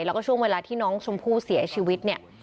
แล้วก็ช่วงเวลาที่น้องชมพู่เสียชีวิตเนี่ย